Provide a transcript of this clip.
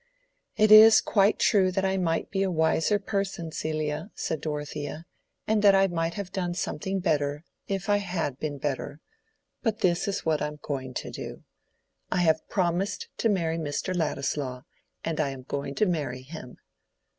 "It is quite true that I might be a wiser person, Celia," said Dorothea, "and that I might have done something better, if I had been better. But this is what I am going to do. I have promised to marry Mr. Ladislaw; and I am going to marry him."